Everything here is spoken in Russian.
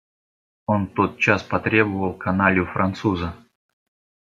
Он тотчас потребовал каналью француза.